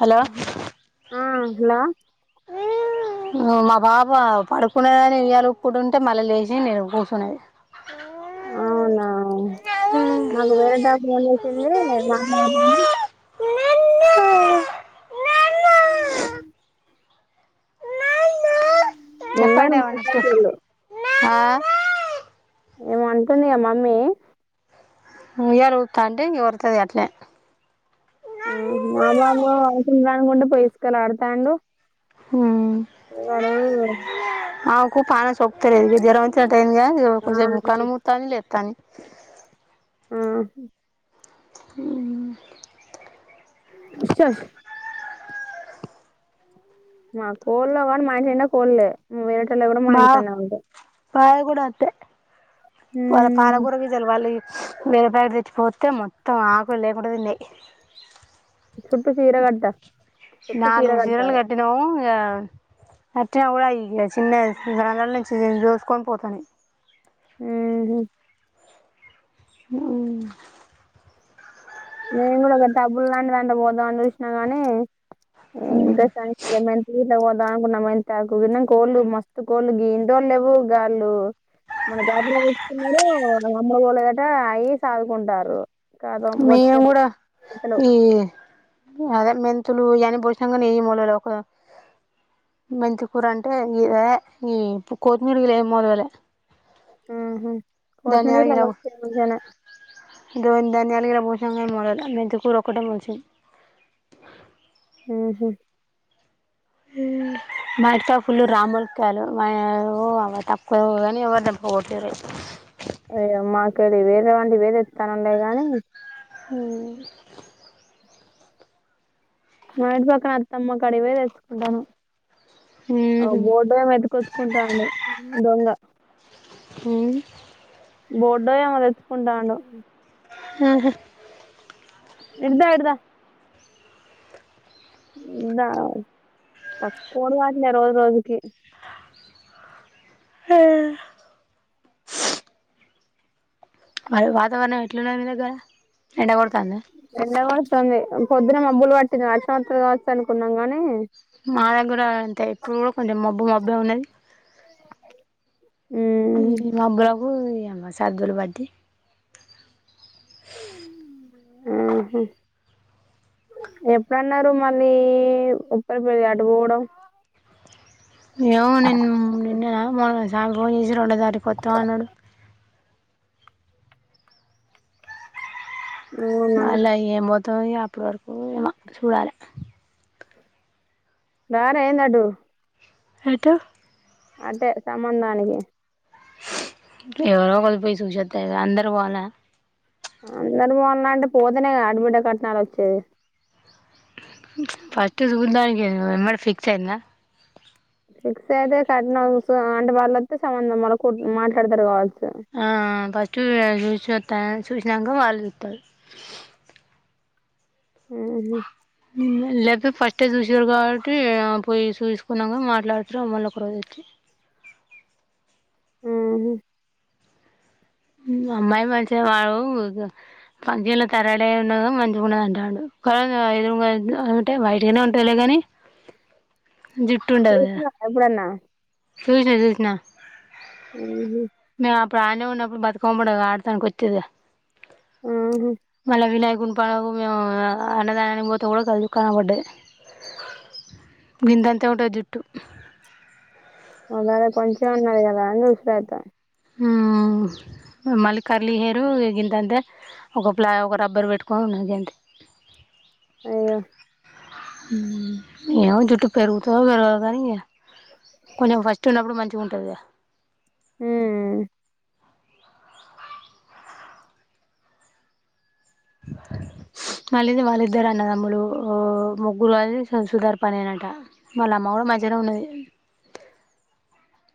Hello ఆ hello మా పాప పడుకునదని ఉయ్యాల ఊపుకుంటుంటే మళ్ళ లేచి నే కూర్చునేది అవునా నాకు వేరే తామే ఫోన్ చేసింది [unintelligible] ఉన్నారు చెప్పండి ఏం అన్న ఉంటే మాట్లాడేటోళ్ళు ఏమో అంటుంది గా మమ్మీ ఉయ్యాల ఉప్తంటే ఇగ ఓర్లతది అట్నే హు మా బాబు పడుకుంటాడంటే పోయిస్కాల ఆడతాడు మ్మ్ [unintelligible] కు కానం సోపుతాలేదు జరవెచ్చినాటైందిగా ఇగ ఆ కొసపు కనుముతాది లేతంది మ్మ్ హ్మ్ హ్మ్ డీఛాష్ మా కోళ్ళ వాడు మా ఇంటి నిండా కోళ్లే వేరేటోలై కూడా మా ఇంటికనే ఉంటాయి బయగూడ అంతే మన ఉమ్, పాలగూర గింజలు పడలే వేరే పాకిట్ తెచ్చిపోతే మొత్తం ఆకులు లేకుట తినయి చుట్టూ చీర కట్ట చుట్టూ చీర నాలుగు సీరలు కట్టాలే కటినాము ఇగ అట్లా కూడా ఇ చిన్నది [unintelligible] నుంచి చోసుకొని పోతాను మ్మ్ హ్మ్ హ్మ్ నేను కూడా ఒక డబ్బులు లాంటి దంట పోద్దాం అని చూసినా గానీ ఇంకా సామ్ [unintelligible] దాకు మై తాకు కోలు మస్తు కోలు గి దోలేవు గాలు మన జాతరలో వచ్చన్నా అమ్మరగూలు గట అయి సాదుకుంటారు కద వో మేము కూడా ఈ అదే మెంత చులు గానీ పోసినా కానీ ఏయి [unintelligible] మెంతికూర అంటే ఇద ఈ కోత్తిమీరికి లే మూలవలే మ్మ్ హ్మ్ [unintelligible] గో ధాన్యాలు ఈడ పోసంగానే మడల మెంతకురొక్కటే మొలిసింది మ్మ్ హ్మ్ హ్మ్ మత్సా ఫుల్లు రాములకాయలు మా ఓ తక్కువ కానీ ఎవరు రా పోతారు అయ్య మాకి వేరేలాంటివి వేరే ఇస్తానున్నాయి గానీ హ్మ్ మా ఇంటి పక్కన అత్తమ్మకుడివే తెచ్చసుకుంటానం ఆ బోర్డే మెతికొత్తుకుంటాండి దొంగ బోర్డ్ ఓ ఏమో తెచ్చుకుంటాండు మ్మ్ హ్మ్ ఇడుదా ఇడుదా దా నా కోడి వాట్లే రోజు రోజుకి హ్మ మరి వాతావరణం ఎట్లున్నాయి కథ ఎండ కొడతందా వస్తుంది పొద్దున మబ్బులు పట్టినా వర్షం వస్తాది కావచ్చు అనుకున్నాం గానీ మా దగ్గర అంతే ఇప్పుడు కూడా కొంచెం మబ్బు మబ్బే ఉన్నది మ్మ్ ఈ మాబ్బులకు ఇమ్మ సర్దులు బటి మ్మ్ హ్మ్ ఎప్పుడన్నారు మళ్ళీ ఉప్పరి పెళ అటు పోవడం ఏమో నిన్న నిన్నన మొన్నాన సాలా రోజులకీ చేసి రెండో తారీకు కొత్తం అన్నాడు అవునా అళ్లా ఏం పోతాం ఇగ అప్పటి వరకు ఏమో చూడాలే రారా ఏందడు అయితే అంటే సంబంధానికి ఎవరో ఒక్కలు పోయి చూసివస్తే గా అందరు పోవాలా అందరూ పోవాలన అంటే పోతేనే గా అడబిడ్డ కట్నాలు వచ్చేది ఫస్ట్ చుదానికే గా ఎమ్మటె ఫిక్స్ అయిందా ఫిక్స్ అయితే కట్నం చూస్ ఆ అంటే వాళ్ళు వస్తే సంబంధం వాళ్ మాట్లాడతారు కావచ్చు ఆ ఫస్ట్ చూసిస్తా చూసినాక వాళ్ళు చుస్తారు మ్మ్ హ్మ్ లేపి ఫస్టే చూసారు కాబట్టి పోయి చూసుకున్నాక మాట్లాడతారు మల్ల ఒక రోజు వచ్చి ఉహు హ అమ్మాయి మంచి వాళ ఫంక్షన్ లో తరడా ఉన్న మంచిగుణదంటుండు వైట్ అంటే వైట్ గానే ఉంటదిలే కాని జుట్టు ఉంటది కదా చూసినవా ఎప్పుడన్నా చూసిన చూసిన మ్మ్ ఇప్పుడు ఆడనే ఉన్నప్పుడు బతుకమ్మ పండక్కీ ఆడతానికి వచ్చిర్రుగా మళ్ళా వినాయకు గుంపానకు మేము అన్నదానానీకి పోతే కూడా కళ్ళుకి కనబడ్డది బిందంతే ఉంటుంది జుట్టు అళ కొంచం ఉన్నది కదా అని చూత్త ఆ మళ్ళీ కరలీ హెయిరు ఎ గింతంతే ఒక ప్లా ఒక రబ్బర్ పెట్టుకొని ఉన్నది అం అయ్యో ఉమ్ ఏమో జుట్టు పెరుగుతదొ పెరుగదో అనీ కొంచెం ఫస్ట్ ఉన్నప్పుడు మంచిగా ఉంటది ఉమ్ మళ్ళీది వాళ్ళిద్దరు అన్నదమ్ములు ముగ్గురు అది సుధర్పనేనట వాళ్ళ అమ్మ ఓ మంచిగానే ఉన్నది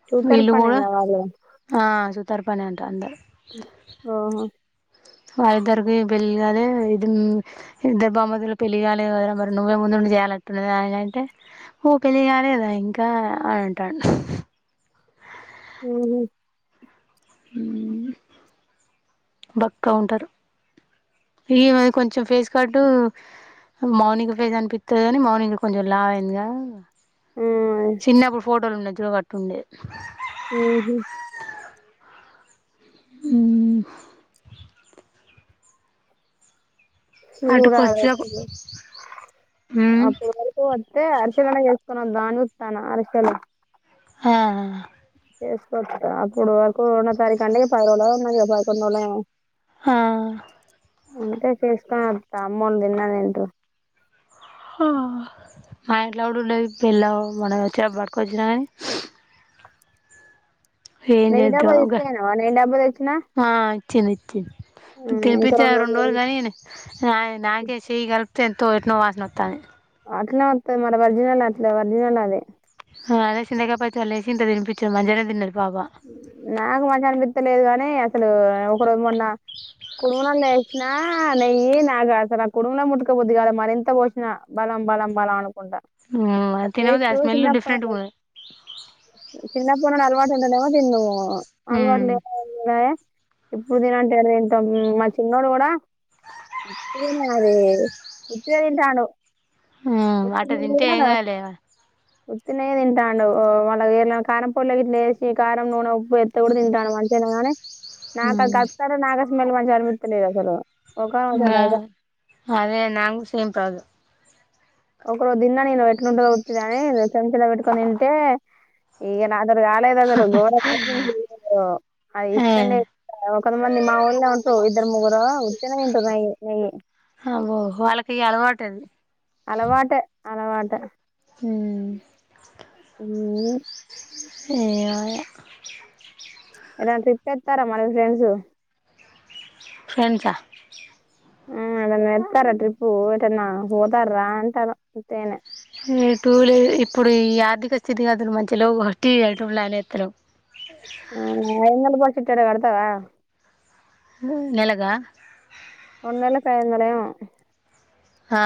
షూటర్ వీళ్ళు కూడా పనేనా వాళ్ళు ఆ తరపని అంటారు అందరు ఓహో వాళ్లిదరికి పెళ్లిగాలి ఇది ఇద్దరు బామ్మారుదుల పెళ్లిగాలే కద మరి నువ్వే ముందు ఉండి చేయాలట్టున్న దానికంటే ఊ పెళ్లి కాలేదా ఇంకా అంటా ఉ మొత్తం అందరు ఈ మరి కొంచెం ఫేస్ కాట్టు మార్నింగ్ ఫేజ అనిపిస్తుంది కానీ మార్నింగ్ కొంచెం లావ్ అయిందిగా ఆ చిన్నప్పుడు ఫోటోలు ఉన్నది చూడు ఉండే ఉహు ఉమ్ అటు చుడాలీ కొచ్చకు అప్పుడు ఉమ్ అప్పుడు వరకు అతే అరిసెలనే చేసుకున దానమిస్తాన అరిశె అరిసెలు ఆ చేసుకోవచ్చ అప్పుడు వరకు రన్న తారీఖు అంటే పది రోు ఉన్నాయి కదా పదకండు రోజు ఏమో ఆ అంటే చేసుకుని వస్త అమ్మోళ్ళు తిన్నే తింటూరు ఆ మా ఇంట్లా కూడా ఉండేవి పిళ్ళ మనం వచ్చ పట్టుకొచ్చిన కాని ఏం నెయ్యి డబ్బా చేద్దాం తీసుకపోయినవా నెయ్యి డబ్బా తెచ్చినా ఆ తినిచ్చ తినిపించిన రెండు రోజు కానీ నా నాకే చేయగల ఎంతో ఎట్నో వాసన వస్తంది అట్నే వస్తుంది మరి ఒరిజినల్ అట్లా ఒరిజినల్ అది అదేచింతకాయ పచ్చడలేసి గింత తినిపించిన మంచిగనే తిన్నది పాప నాకు మంచిగా అనీపితలేదు కాని అసలు ఒక రోజు మొన్న కుడుములాల వే నా నెయ్యి నాకు అసలు ఆ కుడుములే ముట్కబుది కాలే మరింత పోషిన బలం బలం బలం అను కుంటా ఆ తినబుద్ది టేస్టు స్మెల్ చిన్నప్ప డిఫరెంట్గా ఉన్నది చిన్నప్పుడు నేవా తిన్ను ఉమ్ అల్వాటు ఇప్పుడు తినంటే ఎడా తింటము మా చిన్నోడు కూడా కాదే ఇపుడే తింటాడు. ఉమ్ అట్ట తింటే ఏం [unintelligible] కాదులే ఉత్తేగానే తింటాండు మొన్న చేసిన కారంపొడి గిట్ల ఏసీ కారం నూనె ఉప్పు ఎత్ కూడా తింటాడు మంచిగానే కానీ నాకు ఉమ్ గస్తారు నాకు మళ్ళీ మంచిగా అనిపించలేదు అసలు ఆ ఒక అదే నాకు సేమ్ ప్రాబ్లం. ఒకరు దిన నను ఎట్కుంటదొ ఉట్టిదే అని చెంచెల పెట్కొ నింటే ఈ రాత్ర అందరు కాలేదు అసలు గోరమ్ క హీ అది ఏ ఇష్టండి కొంతమంది మా ఊళ్ళే ఉంటూ ఇద్దరు ముగ్గురో ఉట్టిగనె తింటారు నయ్య్ నెయ్యి. హగో వాళ్ళకి ఇ అలవాటండి. అలవాటే అలవాటే. ఉమ్. ఉమ్. [unintelligible] ఏలాంటి ట్రిప్ ఎత్తారా మన ఫ్రెండ్స్. ఎంత. ఆ ఎవలన్నా ఏళ్తార్రా ట్రిప్పు కు పోతన్న పోతర్ర అంటన్న ఉట్టిగనె. ఏ టూ లే ఇప్పుడు ఈ ఆర్థిక స్థితి గతులు మంచిగలేవ్ అటి ఎటు ప్లాన్ ఎత్తలేం. హె. ఆ అయినల్ పట్టు చీర కడతవా. నెలగా. [unintelligible] హా.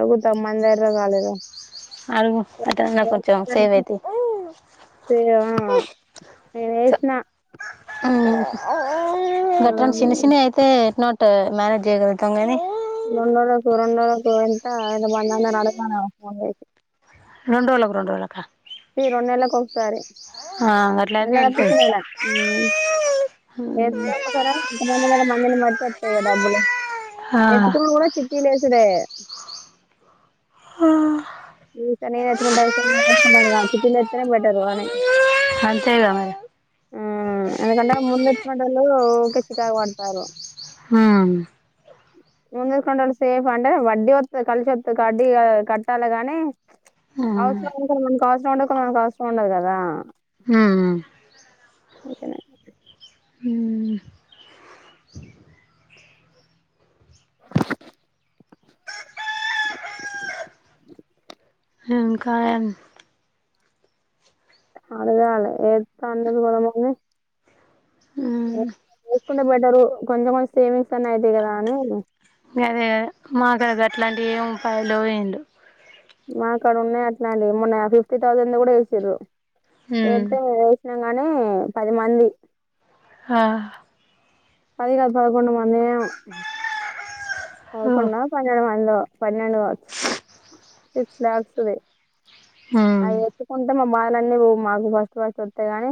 అగు తమ్మందేర్ర కగాలేద. ఆరువు అటన్న కొంచం సేవ్ అయితది. ఆ నేను వేసిన యు గట్రాం చిన ఆ చిన అయితే ఎట్నో అట మేనేజ్ చేయగలుగుతాం గని రెండుోళ్లకు రెండుళ్లకు ఎంత ఎంత మందంద అడతను ఫోన్ చేసి రెండు వేలకు రెడు వేలక [unintelligible] ఇ రెండు నెలలకు ఒకసారి ఆ గట్లయితే నదా వెళ్తాయి ప్రచినలా ఏ ఒసారి ముందు ఉన్న మంది ని బట్టి వస్తాయి డబ్బులు ఆ ఎత్తుకుని కూడా చిట్టి లేసి ఇడే [unintelligible] ఆ ఎత్తేనే బెటర్ [unintelligible] అంతేగా మరి ఎందుకంటే ముందెచ్చినటొ [unintelligible] లు కచ్చిట పడతారు హ ముందుతీసుకుండేవాళ్ళు సేఫ్ అంటే వడ్డీ వస్తది కలిసి వత్తది వడ్డీ కట్టాలి గాని ఉ ఉమ్ అవసరం ఉంటుంది మనకు అవసరం ఉండక మనకు అవసరం ఉండదు కదా అందుకనే [inaudible] ఉమ్ ఇంకా ఏం అదగాళ ఏదన్నది కులమంది ఉమ్ [unintelligible] లేకుండా బెటరు కొంచెం కొంచెం సేవింగ్స్ అన్న అయితాయి కదా అని మాకడ గట్లాంటివి ఏ ఉపాయలు ఎమ్లేవ్ మా అక్కడ ఉన్నాయి అట్లా అండి మొన్న ఫిఫ్టీ థౌజండ్ కూడా వేసిండ్రు ఉమ్ వేస్తె గాని పది మంది హా పది కాదు పదకొండు మందిమేమో ఓ పదకుండా పన్నెండు మందిలో పన్నెండు కావచ్చు సిక్స్ లాక్స్ అది ఉమ్ అవి ఎత్తుకుంటా మా బాలు అన్నీ మాకు ఫస్ట్ ఫస్ట్ వస్తాయి గాని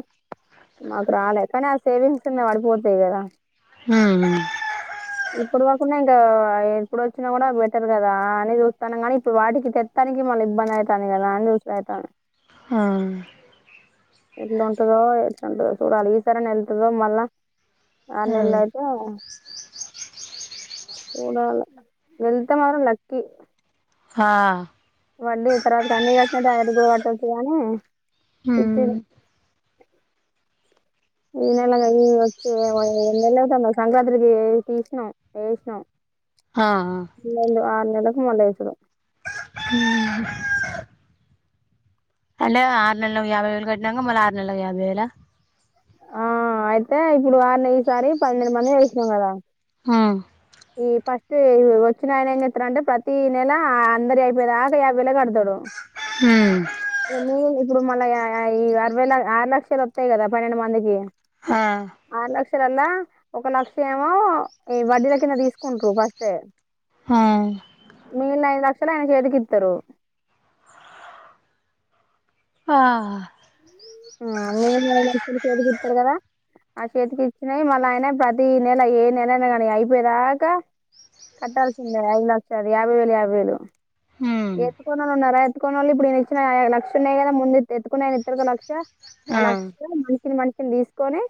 మాకు రాలే కానీ ఆ సేవింగ్స్ అ పడిపోతాయి గదా [inaudible] ఇప్పుడు కాకుండా ఇంకా ఇప్పుడు వచ్చినా కూడా బెటర్ కదా అని చూస్తాను కానీ ఇప్పుడు వాటికి తెత్తాని మళ్ళీ ఇబ్బంది అయితాంది కదా చూసి పెడతా ఉంది ఆ ఎట్ంటందో ఎట్లాంటందో చూడాలి ఈసారిని వెళ్తుందో మళ్ళా ఆన్లైన్ లో అయితే చూడాల వెళ్తే మాత్రం లక్కీ. హా వళ్ళీ తర్వాత కన్నీ కచ్చినట్టు ఐదుగు పట్టచ్చు హ్మ్ ఈ నెల కదు ఈ వచ్చి ఏ నెలలు అయితాందో సంక్రాంతి కి తీసినం వేసిన ఆ ఇది ఏందో ఆరునేళ్లకు మల్ల ఏసుడు. హమ్. అంటే ఆరు నెలకు యాభై వేలు కట్టినాక మళ్ళీ ఆరు నెల యాభై వేలా. ఆ అయితే ఇప్పుడు వారిని ఈసారి పనిండు మందినీ యేసినం కదా. హ ఈ ఫస్ట్ వచ్చినాయన ఏం చెత్తడంటే ప్రతీ నెల అందరి ఐపోయేదాకా యాభై వేల కడతాడు. హ్మ్ ఎన్ని ఇప్పుడు మళ్ళ ఈ అరవై ల ఆరు లక్షలు వత్తైగద. పనిండు మందికి. హా ఆరు ఒక లక్ష ఏమో ఈ వడ్డీల కింద తీసుకుంట్రూ ఫస్తే. హా మిగిలిన ఐదు లక్షలు ఆయన చేతికిత్తారు. ఆ. హమ్ మిగిలిన మూడు లక్షలు చేతికిత్తారు కదా. ఆ చేతికి ఇచ్చినాయి మల్ల ఆయనే ప్రతీ నెల ఏ నెలయినా కానీ అయిపోయి దాకా. కట్టాల్సిందే ఐదు లక్షది యాభై వేలు యాభై వేలు హ్మ్ ఎత్తు కొన ఉన్నారా. ఎత్తుకొనొల్లు ఇప్పుడు నేను ఇచ్చిన లక్ష ఉన్నాయి కద ముందు ఎత్ ఎత్తుకునాయన ఇత్తారు గా లక్ష. అ ఆ లక్ష మనిషిని మనిషిని తీసుకొని.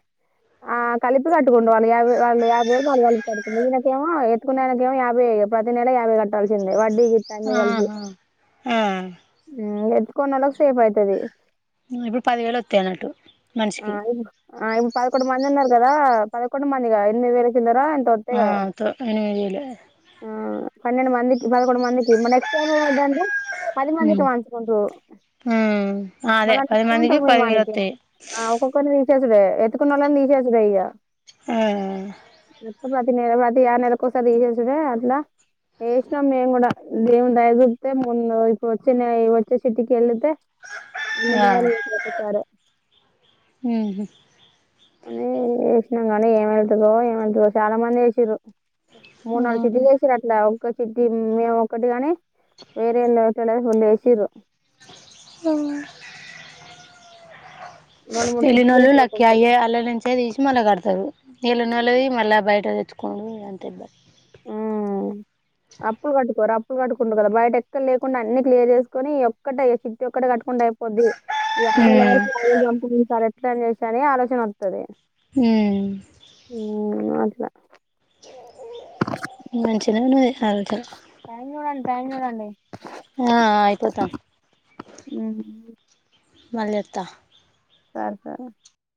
ఆ కలిపి కట్టుకుండు వాళ్ళు యాభై వాళ్ళు యాభైవేలు వాళ్ళు కలిపి కడుతుండు ఈయనకేమో ఎతుకున్నాయనకి ఏమో యాభై. ప్రతి నెల యాభై కట్టాల్సిందే వడ్డీ గిట్ల అన్ని కలిపి ఆహా ఆ ఎత్తు కొన్నలక్ సేఫ్ ఐతది. ఆ ఇప్పుడు పదివేలు వత్తై అన్నట్టు. ఆ మనిషికి ఇ ఇప్పుడు పదకొండు మంది ఉన్నారు కదా పదకొండు మందిగా ఎనిమిదివేల కింద. ఆ ఎంతో వతయ్ ఆ కదా తో ఎనిమిది వేలు పన్నెండు మందికి పదకొండుమందికి నెక్స్ట్ ఏమైతది అంటే పది మందికి హ్మ్ పంచుకుంటారు హ్మ్ అదే మనం పది ఇచ్చేది మందికి తొమ్మిది పదివేలు మందికి. వత్తాయి ఆ ఒక్కొక్కరిని తీసేసుడే ఎత్తుకున్నలను తీసేసుడే ఇగ. ఆ. ప్రతి నేల ప్రతి ఆర్నెల్లకోసారి తీసేసుడే అట్లా. యేష్ణం మేంగూడ దేవుడు దయ చూపితే ముందు ఇప్పుడు వచ్చేనే వచ్చే చిట్టి కి వెళితే అన్న బార ఒక సర [inaudible] ఉహూ కాని యేష్ణం గాని ఏమైతదో ఏమైతదో చాలా మంది యేషిర్రు. మూడు నాలుగు హ్మ్ చిట్టీలు లీసిరాట్లా అంక చిట్టి మేము ఒక్కటిగాని వేరేళ్ళు ఐతే లేద్ రోండెషిర్రు. ఆ రెండు మూడు చిట్టీలు ఎల్లినోళ్లు వేసిరు లక్కయ ఒక్కొక్కళ్ళు అల్ల నోళ్ళు నుంచే తీసి మళ్ళా కడతారు ఈలోన్నలదీ మళ్ళీ బయట తెచ్చు. కొనిన్ అంతే బాస్ ఉ ఉ కట్టుకుండు కదా బయట ఎక్కడ లేకుండా అన్ని క్లియర్ చేసుకుని ఈయోక్కోటి చిట్టి ఈయొక్కటి కట్. కుండా ఐపోద్ది ఈ ఆరు నెల్లల హ్మ్ వరకి చంపుడు సార్ ఎట్ల అనేసి ఆలోచనవత్తది. హూమ్ ఊమ్ అట్లా. మంచిగ ఉన్నవే టైమ్ జూడండి టైమ్ జూడండి. ఆ అయిపోతాన్ ఉమ్, మల్లి వత్త సర్ సరే